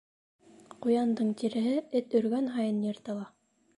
Ҡуяндың тиреһе, эт өргән һайын, йыртыла.